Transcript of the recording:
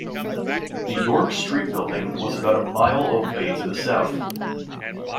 The Yorke Street building was about a mile away to the south.